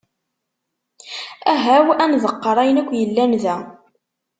Aha-w ad nḍeqqer ayen akk yellan da.